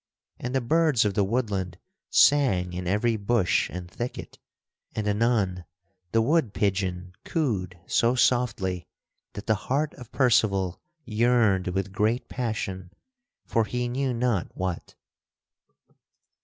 And the birds of the woodland sang in every bush and thicket; and, anon, the wood pigeon cooed so softly that the heart of Percival yearned with great passion for he knew not what.